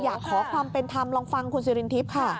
อยากขอความเป็นธรรมลองฟังคุณสิรินทิพย์ค่ะ